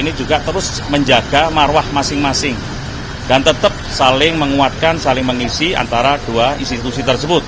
ini juga terus menjaga marwah masing masing dan tetap saling menguatkan saling mengisi antara dua institusi tersebut